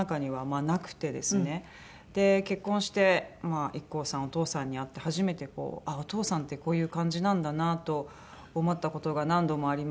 で結婚して一行さんお義父さんに会って初めてこうお父さんってこういう感じなんだなと思った事が何度もありまして。